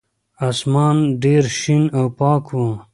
اسمان ډېر شین او پاک و.